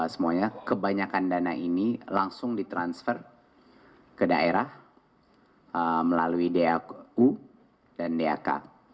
semuanya kebanyakan dana ini langsung ditransfer ke daerah melalui dau dan dak